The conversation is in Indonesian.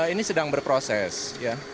ini sedang berproses ya